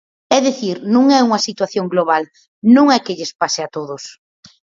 É dicir, non é unha situación global, non é que lles pase a todos.